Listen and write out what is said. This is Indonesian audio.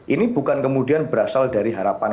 ini bukan kemudian berasal dari harapan